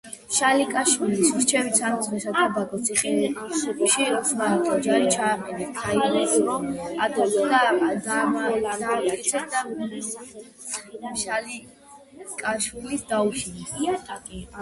შალიკაშვილის რჩევით სამცხე-საათაბაგოს ციხეებში ოსმალთა ჯარი ჩააყენეს, ქაიხოსრო ათაბაგად დაამტკიცეს და მეურვედ შალიკაშვილი დაუნიშნეს.